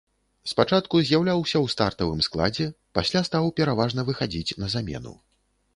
Спачатку з'яўляўся ў стартавым складзе, пасля стаў пераважна выхадзіць на замену.